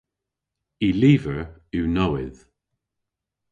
Y lyver yw nowydh.